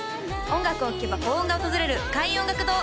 音楽を聴けば幸運が訪れる開運音楽堂